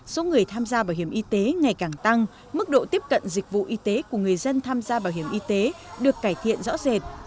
số người tham gia bảo hiểm y tế ngày càng tăng mức độ tiếp cận dịch vụ y tế của người dân tham gia bảo hiểm y tế được cải thiện rõ rệt